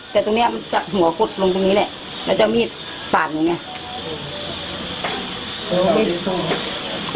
แต่ตรงเนี้ยมันจับหัวกุดลงตรงนี้แหละแล้วจะเอามีดปาดหนูไง